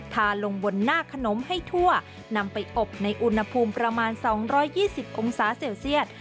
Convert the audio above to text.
ทาลงบนหน้าขนมให้ทั่วนำไปอบในอุณหภูมิประมาณสองร้อยยี่สิบองศาเสี่ยวเสียด